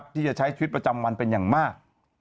ที่จะใช้ชีวิตประจำวันเป็นอย่างมาก